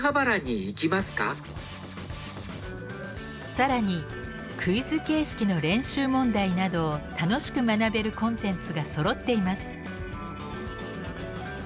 更にクイズ形式の練習問題など楽しく学べるコンテンツがそろっています。